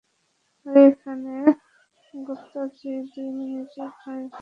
আর এখানে, গুপ্তা জী, দুই মিনিটেই হয়ে যায়।